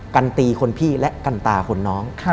กันตีคนพี่และกันตาคนน้อง